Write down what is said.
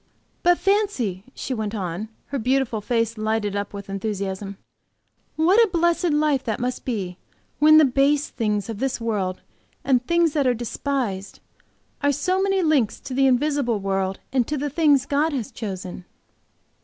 "But fancy," she went on, her beautiful face lighted up with enthusiasm, "what a blessed life that must be, when the base things of this world and things that are despised, are so many links to the invisible world and to the things God has chosen!"